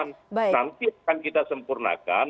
nanti akan kita sempurnakan